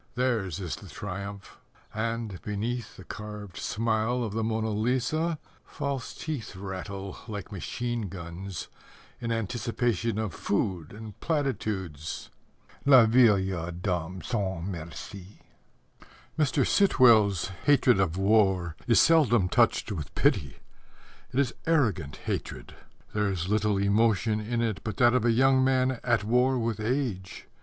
Theirs is the triumph, And, beneath The carved smile of the Mona Lisa, False teeth Rattle Like machine guns, In anticipation Of food and platitudes. Les Vieilles Dames Sans Merci! Mr. Sitwell's hatred of war is seldom touched with pity. It is arrogant hatred. There is little emotion in it but that of a young man at war with age.